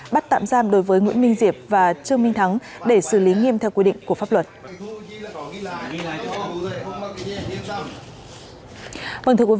bắt tạm giam đối với nguyễn minh diệp và trương minh thắng để xử lý nghiêm theo quy định của pháp luật